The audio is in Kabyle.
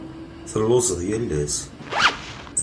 Telluẓeḍ yal ass.